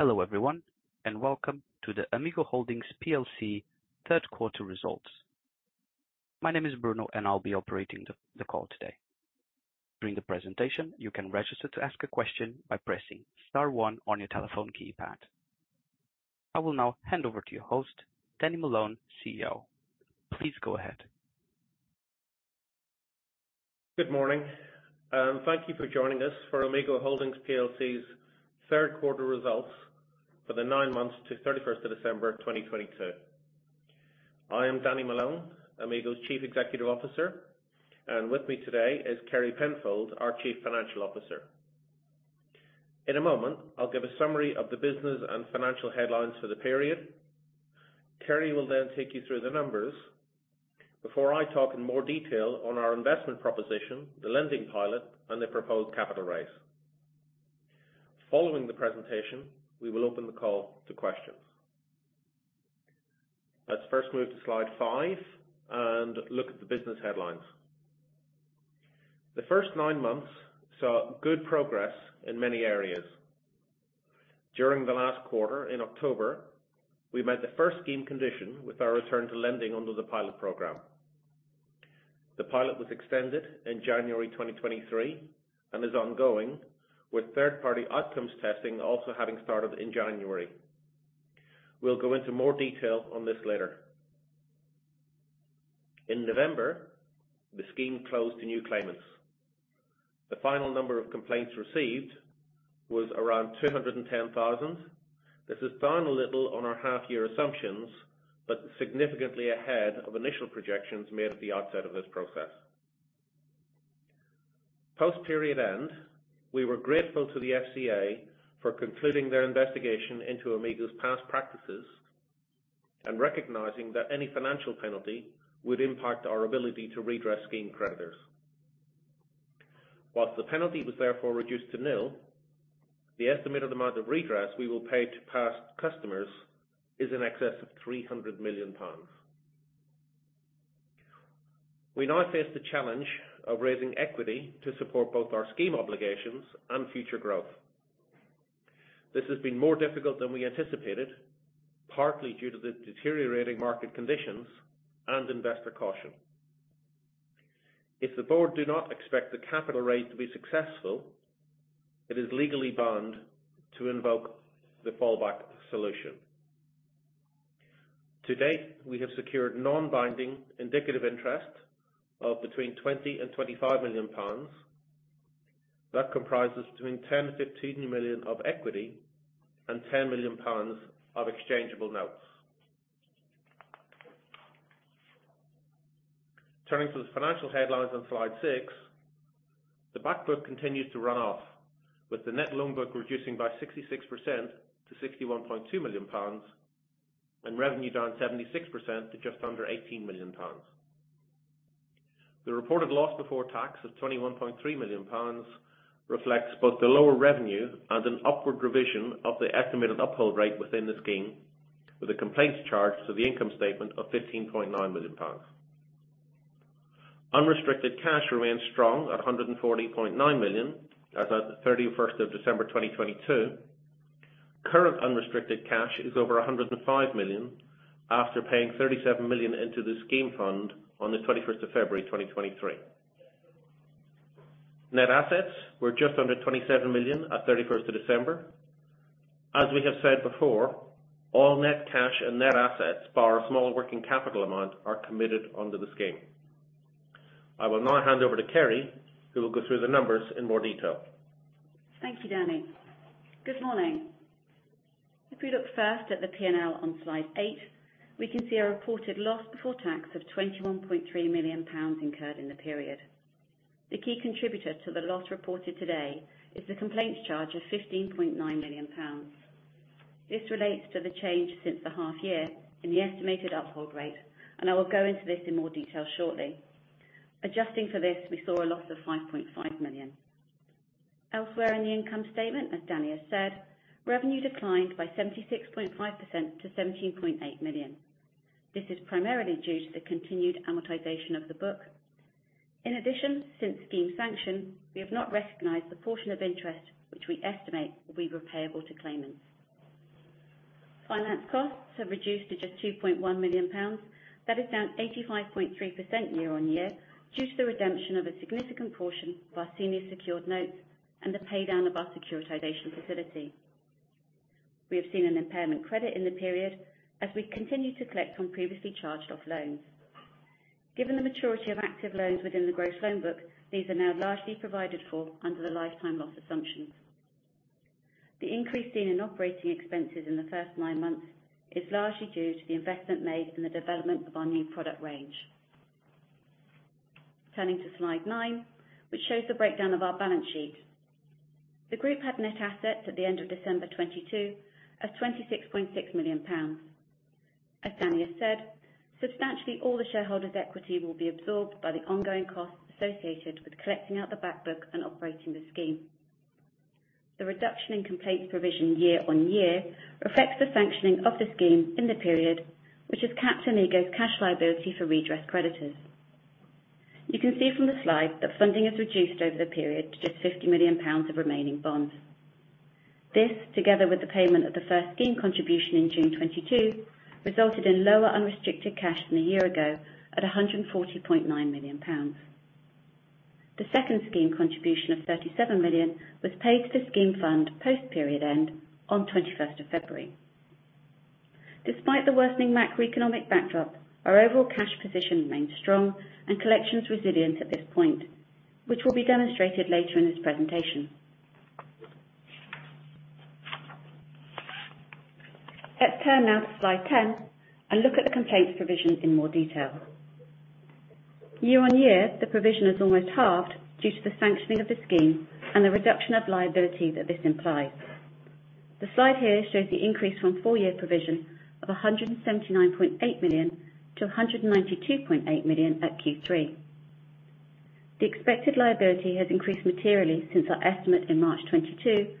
Hello everyone. Welcome to the Amigo Holdings PLC third quarter results. My name is Bruno, and I'll be operating the call today. During the presentation, you can register to ask a question by pressing star one on your telephone keypad. I will now hand over to your host, Danny Malone, CEO. Please go ahead. Good morning, thank you for joining us for Amigo Holdings PLC's third quarter results for the 9 months to 31st of December, 2022. I am Danny Malone, Amigo's Chief Executive Officer, and with me today is Kerry Penfold, our Chief Financial Officer. In a moment, I'll give a summary of the business and financial headlines for the period. Kerry will take you through the numbers before I talk in more detail on our investment proposition, the lending pilot, and the proposed capital raise. Following the presentation, we will open the call to questions. Let's first move to slide 5 and look at the business headlines. The first 9 months saw good progress in many areas. During the last quarter in October, we made the 1st scheme condition with our return to lending under the pilot program. The pilot was extended in January 2023 and is ongoing, with third-party outcomes testing also having started in January. We'll go into more detail on this later. In November, the scheme closed to new claimants. The final number of complaints received was around 210,000. This is down a little on our half-year assumptions, but significantly ahead of initial projections made at the outset of this process. Post-period end, we were grateful to the FCA for concluding their investigation into Amigo's past practices and recognizing that any financial penalty would impact our ability to redress scheme creditors. The penalty was therefore reduced to nil, the estimated amount of redress we will pay to past customers is in excess of 300 million pounds. We now face the challenge of raising equity to support both our scheme obligations and future growth. This has been more difficult than we anticipated, partly due to the deteriorating market conditions and investor caution. If the board do not expect the capital raise to be successful, it is legally bound to invoke the fallback solution. To date, we have secured non-binding indicative interest of between 20 million and 25 million pounds. That comprises 10 million-15 million of equity and 10 million pounds of exchangeable notes. Turning to the financial headlines on slide 6. The back book continued to run off, with the net loan book reducing by 66% to 61.2 million pounds, and revenue down 76% to just under 18 million pounds. The reported loss before tax of 21.3 million pounds reflects both the lower revenue and an upward revision of the estimated uphold rate within the scheme, with a complaints charge to the income statement of 15.9 million pounds. Unrestricted cash remains strong at 140.9 million as at the 31st of December 2022. Current unrestricted cash is over 105 million after paying 37 million into the scheme fund on the 21st of February 2023. Net assets were just under 27 million at 31st of December. As we have said before, all net cash and net assets, bar a small working capital amount, are committed under the scheme. I will now hand over to Kerry, who will go through the numbers in more detail. Thank you, Danny. Good morning. If we look first at the P&L on slide 8, we can see a reported loss before tax of 21.3 million pounds incurred in the period. The key contributor to the loss reported today is the complaints charge of 15.9 million pounds. This relates to the change since the half year in the estimated uphold rate, and I will go into this in more detail shortly. Adjusting for this, we saw a loss of 5.5 million. Elsewhere in the income statement, as Danny has said, revenue declined by 76.5% to 17.8 million. This is primarily due to the continued amortization of the book. In addition, since scheme sanction, we have not recognized the portion of interest which we estimate will be repayable to claimants. Finance costs have reduced to just 2.1 million pounds. That is down 85.3% year-over-year, due to the redemption of a significant portion of our senior secured notes and the pay down of our securitization facility. We have seen an impairment credit in the period as we continue to collect from previously charged-off loans. Given the maturity of active loans within the gross loan book, these are now largely provided for under the lifetime loss assumptions. The increase seen in operating expenses in the first nine months is largely due to the investment made in the development of our new product range. Turning to slide 9, which shows the breakdown of our balance sheet. The group had net assets at the end of December 2022 of 26.6 million pounds. As Danny has said, substantially, all the shareholders' equity will be absorbed by the ongoing costs associated with collecting out the back book and operating the Scheme. The reduction in complaints provision year on year reflects the sanctioning of the Scheme in the period, which has capped Amigo's cash liability for redress creditors. You can see from the slide that funding has reduced over the period to just 50 million pounds of remaining bonds. This, together with the payment of the first Scheme contribution in June 2022, resulted in lower unrestricted cash than a year ago at 140.9 million pounds. The second Scheme contribution of 37 million was paid to the Scheme fund post period end on 21st of February. Despite the worsening macroeconomic backdrop, our overall cash position remains strong and collections resilient at this point, which will be demonstrated later in this presentation. Let's turn now to slide 10 and look at the complaints provision in more detail. Year-over-year, the provision has almost halved due to the sanctioning of the scheme and the reduction of liability that this implies. The slide here shows the increase from full year provision of 179.8 million to 192.8 million at Q3. The expected liability has increased materially since our estimate in March 2022,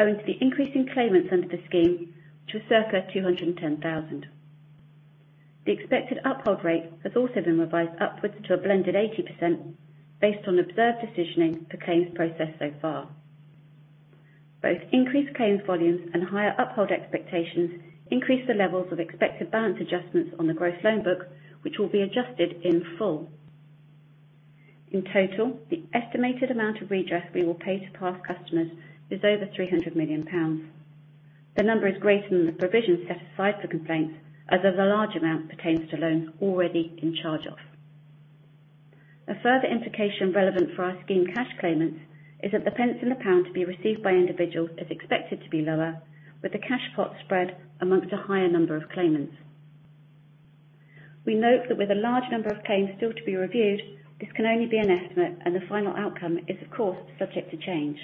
owing to the increase in claimants under the scheme to circa 210,000. The expected uphold rate has also been revised upwards to a blended 80% based on observed decisioning for claims processed so far. Both increased claims volumes and higher uphold expectations increase the levels of expected balance adjustments on the gross loan book, which will be adjusted in full. In total, the estimated amount of redress we will pay to past customers is over 300 million pounds. The number is greater than the provision set aside for complaints, as a large amount pertains to loans already in charge off. A further implication relevant for our scheme cash claimants is that the pence in the pound to be received by individuals is expected to be lower, with the cash pot spread amongst a higher number of claimants. We note that with a large number of claims still to be reviewed, this can only be an estimate and the final outcome is of course subject to change.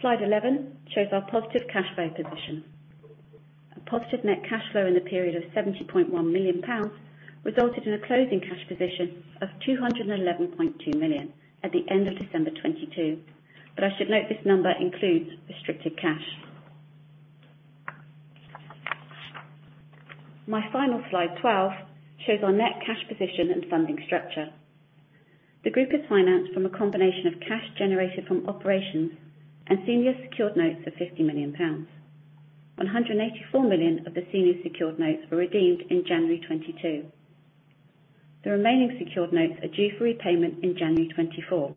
Slide 11 shows our positive cash flow position. A positive net cash flow in the period of 70.1 million pounds resulted in a closing cash position of 211.2 million at the end of December 2022. I should note this number includes restricted cash. My final slide 12 shows our net cash position and funding structure. The group is financed from a combination of cash generated from operations and senior secured notes of 50 million pounds. 184 million of the senior secured notes were redeemed in January 2022. The remaining secured notes are due for repayment in January 2024.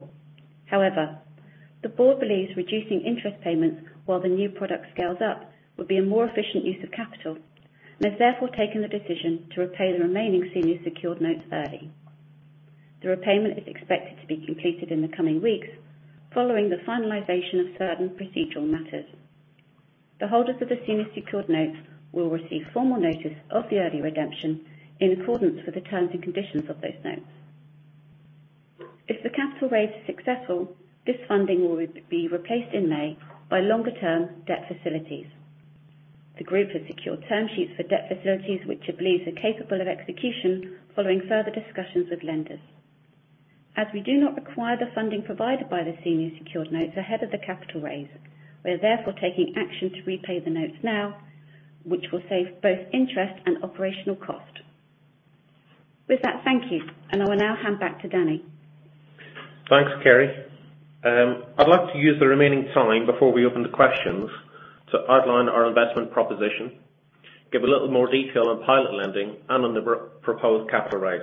The board believes reducing interest payments while the new product scales up would be a more efficient use of capital and has therefore taken the decision to repay the remaining senior secured notes early. The repayment is expected to be completed in the coming weeks following the finalization of certain procedural matters. The holders of the senior secured notes will receive formal notice of the early redemption in accordance with the terms and conditions of those notes. If the capital raise is successful, this funding will be replaced in May by longer term debt facilities. The group has secured term sheets for debt facilities, which it believes are capable of execution following further discussions with lenders. We do not require the funding provided by the senior secured notes ahead of the capital raise, we are therefore taking action to repay the notes now, which will save both interest and operational cost. With that, thank you. I will now hand back to Danny. Thanks, Kerry. I'd like to use the remaining time before we open to questions to outline our investment proposition, give a little more detail on pilot lending and on the proposed capital raise.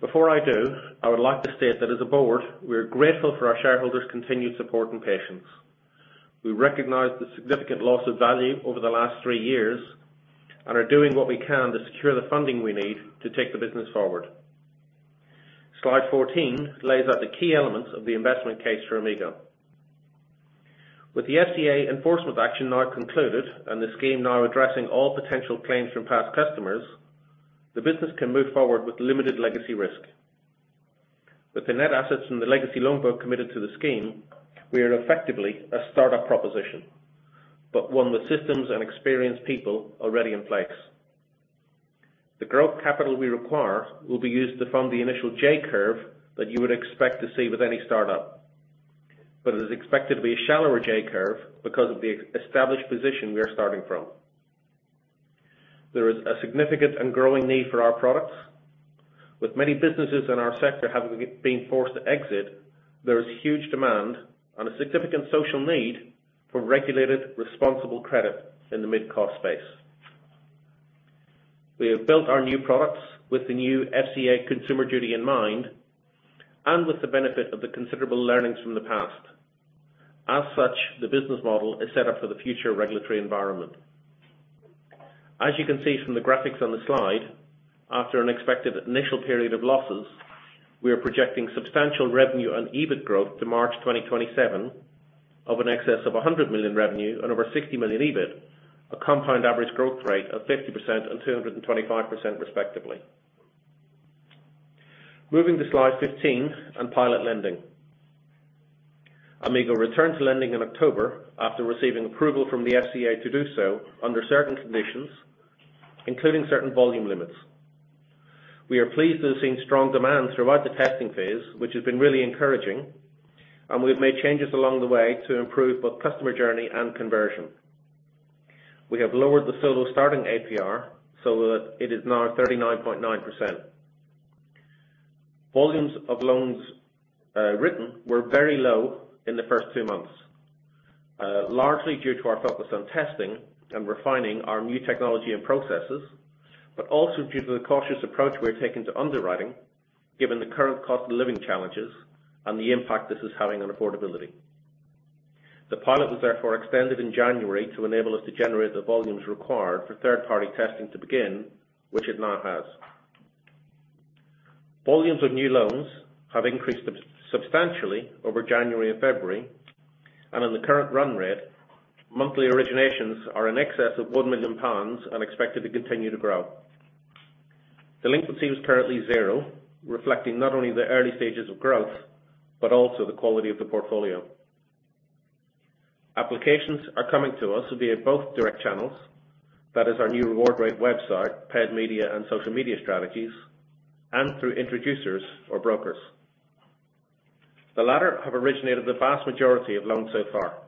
Before I do, I would like to state that as a board, we are grateful for our shareholders' continued support and patience. We recognize the significant loss of value over the last 3 years and are doing what we can to secure the funding we need to take the business forward. Slide 14 lays out the key elements of the investment case for Amigo. With the FCA enforcement action now concluded and the scheme now addressing all potential claims from past customers, the business can move forward with limited legacy risk. With the net assets from the legacy loan book committed to the scheme, we are effectively a start-up proposition, but one with systems and experienced people already in place. The growth capital we require will be used to fund the initial J-curve that you would expect to see with any start-up, but it is expected to be a shallower J-curve because of the established position we are starting from. There is a significant and growing need for our products. With many businesses in our sector having being forced to exit, there is huge demand and a significant social need for regulated, responsible credit in the mid-cost space. We have built our new products with the new FCA Consumer Duty in mind and with the benefit of the considerable learnings from the past. As such, the business model is set up for the future regulatory environment. As you can see from the graphics on the slide, after an expected initial period of losses, we are projecting substantial revenue and EBIT growth to March 2027 of an excess of 100 million revenue and over 60 million EBIT, a compound average growth rate of 50% and 225% respectively. Moving to slide 15 on pilot lending. Amigo returned to lending in October after receiving approval from the FCA to do so under certain conditions, including certain volume limits. We are pleased to have seen strong demand throughout the testing phase, which has been really encouraging, and we've made changes along the way to improve both customer journey and conversion. We have lowered the solo starting APR so that it is now 39.9%. Volumes of loans written were very low in the first 2 months. Largely due to our focus on testing and refining our new technology and processes, also due to the cautious approach we're taking to underwriting, given the current cost of living challenges and the impact this is having on affordability. The pilot was therefore extended in January to enable us to generate the volumes required for third-party testing to begin, which it now has. Volumes of new loans have increased substantially over January and February, and on the current run rate, monthly originations are in excess of 1 million pounds and expected to continue to grow. Delinquency was currently 0, reflecting not only the early stages of growth, but also the quality of the portfolio. Applications are coming to us via both direct channels, that is our new RewardRate website, paid media and social media strategies, and through introducers or brokers. The latter have originated the vast majority of loans so far.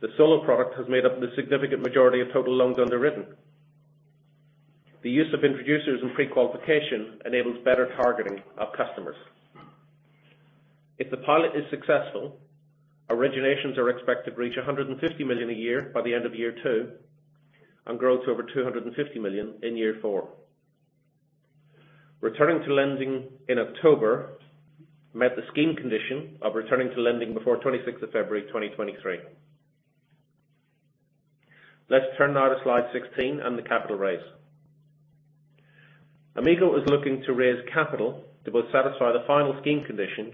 The solo product has made up the significant majority of total loans underwritten. The use of introducers and pre-qualification enables better targeting of customers. If the pilot is successful, originations are expected to reach 150 million a year by the end of year 2 and grows over 250 million in year 4. Returning to lending in October met the scheme condition of returning to lending before 26th of February, 2023. Let's turn now to slide 16 and the capital raise. Amigo is looking to raise capital to both satisfy the final scheme condition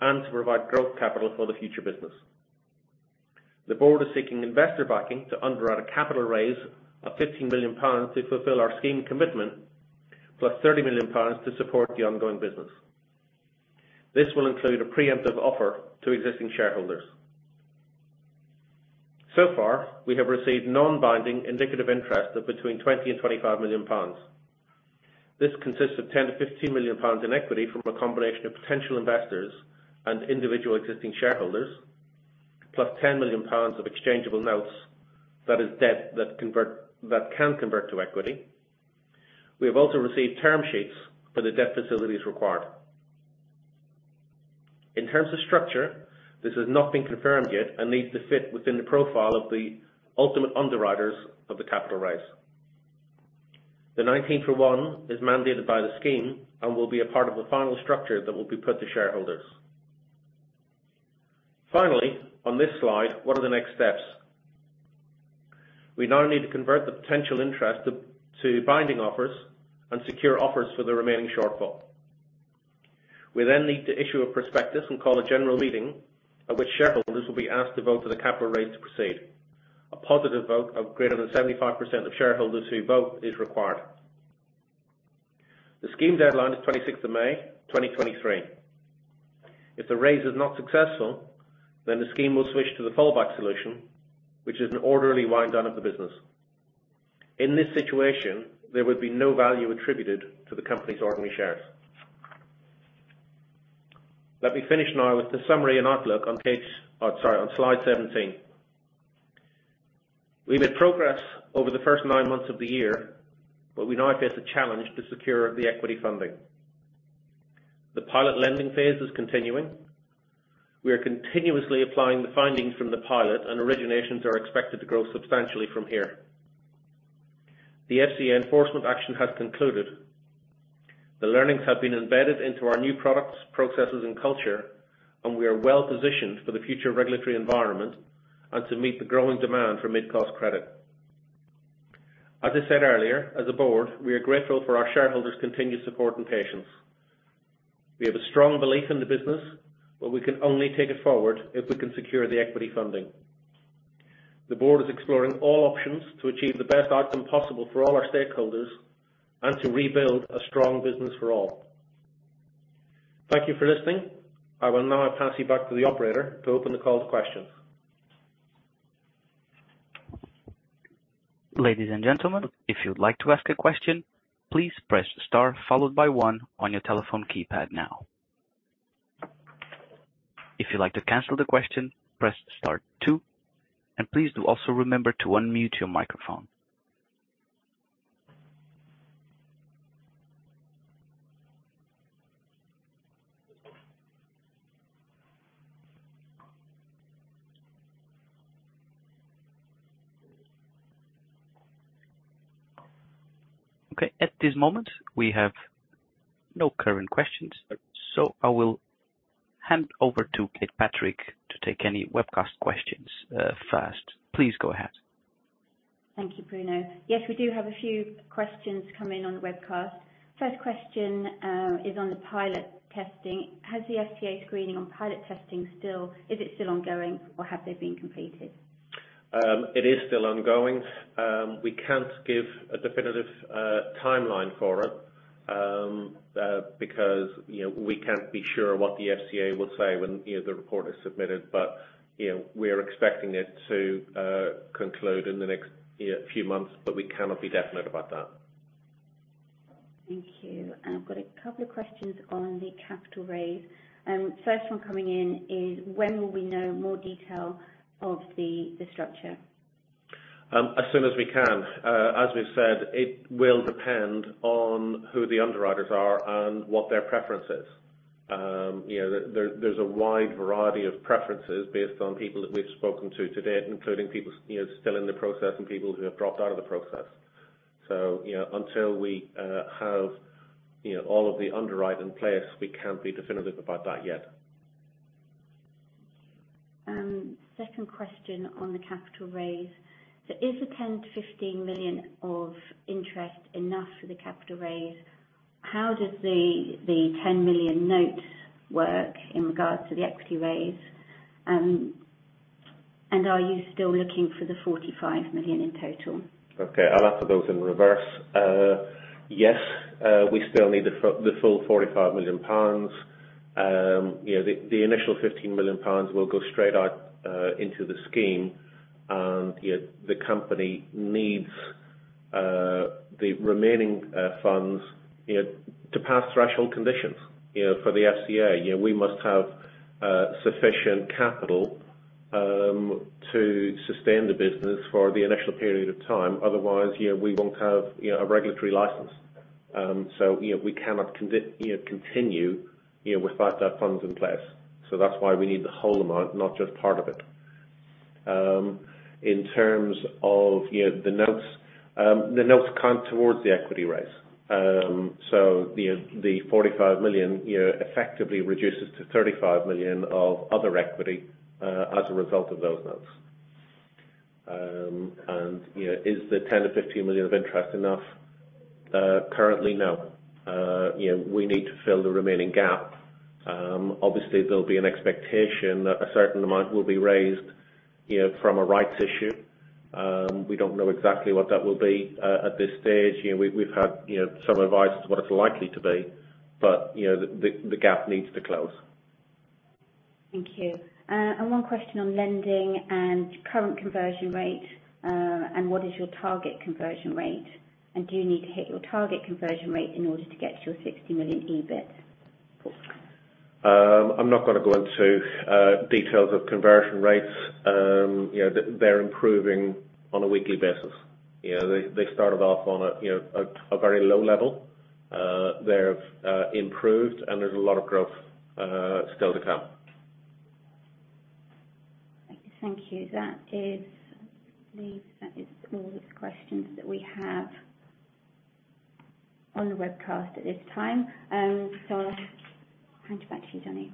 and to provide growth capital for the future business. The board is seeking investor backing to underwrite a capital raise of 15 million pounds to fulfill our scheme commitment, plus 30 million pounds to support the ongoing business. This will include a preemptive offer to existing shareholders. So far, we have received non-binding indicative interest of between 20 million and 25 million pounds. This consists of 10 million-15 million pounds in equity from a combination of potential investors and individual existing shareholders, plus 10 million pounds of exchangeable notes. That is debt that can convert to equity. We have also received term sheets for the debt facilities required. In terms of structure, this has not been confirmed yet and needs to sit within the profile of the ultimate underwriters of the capital raise. The 19-to-1 is mandated by the scheme and will be a part of the final structure that will be put to shareholders. Finally, on this slide, what are the next steps? We now need to convert the potential interest to binding offers and secure offers for the remaining shortfall. We need to issue a prospectus and call a general meeting at which shareholders will be asked to vote for the capital raise to proceed. A positive vote of greater than 75% of shareholders who vote is required. The scheme deadline is 26th of May, 2023. If the raise is not successful, then the scheme will switch to the fallback solution, which is an orderly wind down of the business. In this situation, there would be no value attributed to the company's ordinary shares. Let me finish now with the summary and outlook on page, on slide 17. We made progress over the first nine months of the year, we now face a challenge to secure the equity funding. The pilot lending phase is continuing. We are continuously applying the findings from the pilot, originations are expected to grow substantially from here. The FCA enforcement action has concluded. The learnings have been embedded into our new products, processes and culture, and we are well positioned for the future regulatory environment and to meet the growing demand for mid-cost credit. As I said earlier, as a board, we are grateful for our shareholders' continued support and patience. We have a strong belief in the business, but we can only take it forward if we can secure the equity funding. The board is exploring all options to achieve the best outcome possible for all our stakeholders and to rebuild a strong business for all. Thank you for listening. I will now pass you back to the operator to open the call to questions. Ladies and gentlemen, if you'd like to ask a question, please press Star followed by one on your telephone keypad now. If you'd like to cancel the question, press Star two, and please do also remember to unmute your microphone. Okay. At this moment, we have no current questions, so I will hand over to Kate Patrick to take any webcast questions first. Please go ahead. Thank you, Bruno. Yes, we do have a few questions coming on the webcast. First question is on the pilot testing. Has the FCA screening on pilot testing still ongoing, or have they been completed? It is still ongoing. We can't give a definitive timeline for it, because, you know, we can't be sure what the FCA will say when, you know, the report is submitted. You know, we're expecting it to conclude in the next, you know, few months, but we cannot be definite about that. Thank you. I've got a couple of questions on the capital raise. First one coming in is when will we know more detail of the structure? As soon as we can. As we've said, it will depend on who the underwriters are and what their preference is. You know, there's a wide variety of preferences based on people that we've spoken to to date, including people, you know, still in the process and people who have dropped out of the process. You know, until we have, you know, all of the underwrite in place, we can't be definitive about that yet. Second question on the capital raise. Is the 10 million-15 million of interest enough for the capital raise? How does the 10 million notes work in regards to the equity raise? Are you still looking for the 45 million in total? Okay, I'll answer those in reverse. Yes, we still need the full 45 million pounds. You know, the initial 15 million pounds will go straight out into the scheme. You know, the company needs the remaining funds, you know, to pass threshold conditions, you know, for the FCA. You know, we must have sufficient capital to sustain the business for the initial period of time. Otherwise, you know, we won't have, you know, a regulatory license. You know, we cannot continue, you know, without that funds in place. That's why we need the whole amount, not just part of it. In terms of, you know, the notes. The notes count towards the equity raise. The 45 million, you know, effectively reduces to 35 million of other equity as a result of those notes. You know, is the 10 million-15 million of interest enough? Currently, no. You know, we need to fill the remaining gap. Obviously there'll be an expectation that a certain amount will be raised, you know, from a rights issue. We don't know exactly what that will be. At this stage, you know, we've had, you know, some advice as to what it's likely to be, you know, the gap needs to close. Thank you. One question on lending and current conversion rate. What is your target conversion rate? Do you need to hit your target conversion rate in order to get to your 60 million EBIT? I'm not gonna go into details of conversion rates. You know, they're improving on a weekly basis. You know, they started off on a, you know, a very low level. They've improved, and there's a lot of growth, still to come. Thank you. I believe that is all the questions that we have on the webcast at this time. I'll hand you back to you, Danny.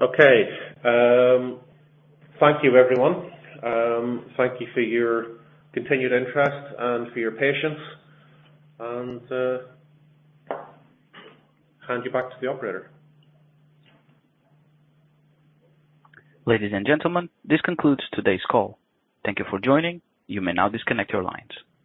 Okay. Thank you everyone. Thank you for your continued interest and for your patience, hand you back to the operator. Ladies and gentlemen, this concludes today's call. Thank you for joining. You may now disconnect your lines.